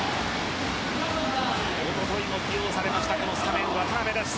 一昨日も起用されましたスタメン、渡邊です。